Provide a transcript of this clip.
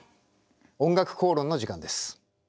「おんがくこうろん」の時間です。